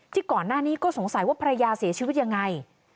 ก่อนหน้านี้ก็สงสัยว่าภรรยาเสียชีวิตยังไง